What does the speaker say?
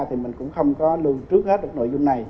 thì mình cũng không có lường trước hết được nội dung này